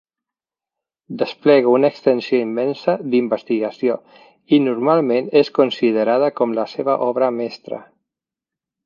Desplega una extensió immensa d'investigació, i normalment es considerada com la seva obra mestra.